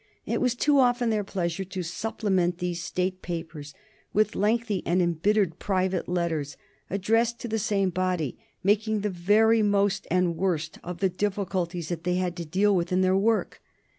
It was too often their pleasure to supplement these State papers with lengthy and embittered private letters, addressed to the same body, making the very most and worst of the difficulties they had to deal with in their work.